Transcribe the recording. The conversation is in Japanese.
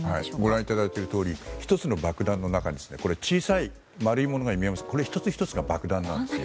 ご覧いただいているとおり１つの爆弾の中に小さい丸いものが見えますがこれ、１つ１つが爆弾なんです。